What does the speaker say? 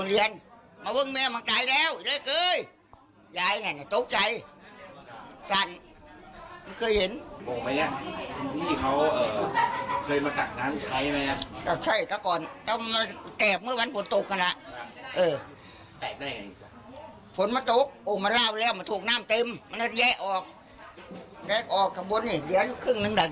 ที่ว่ามันจะเจ็บมันเล่าทิ้งสื่อ